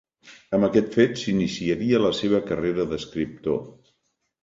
Amb aquest fet, s'iniciaria la seva carrera d'escriptor.